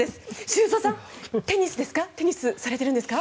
修造さん、テニスですか？